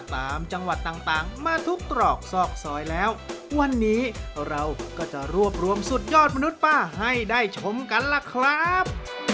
ตามจังหวัดต่างมาทุกตรอกซอกซอยแล้ววันนี้เราก็จะรวบรวมสุดยอดมนุษย์ป้าให้ได้ชมกันล่ะครับ